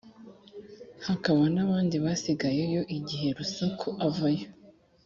hakaba n’ abandi basigayeyo igihe Rusuka avayo.